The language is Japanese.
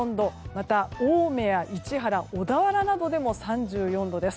また、青梅や市原小田原などでも３４度です。